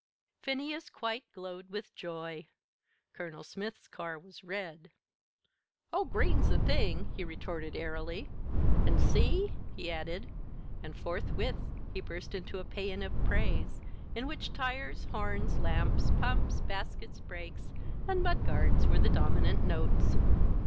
Phineas quite glowed with joy Colonel Smith's car was red. "Oh, green's the thing," he retorted airily; "an' see!" he added; and forthwith he burst into a paean of praise, in which tires, horns, lamps, pumps, baskets, brakes, and mud guards were the dominant notes.